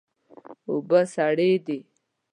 اوبه سړې دي